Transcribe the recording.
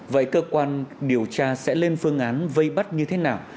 vậy cơ quan điều tra sẽ lên phương án vây bắt như thế nào